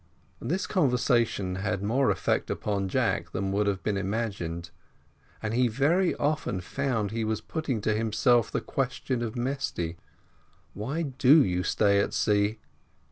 This conversation had more effect upon Jack than would have been imagined, and he very often found he was putting to himself the question of Mesty "Why do you stay at sea?"